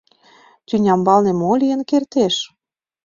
Тӱнямбалне мо лийын кертеш?